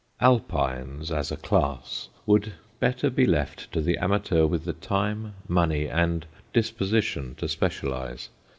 Alpines, as a class, would better be left to the amateur with the time, money, and disposition to specialize.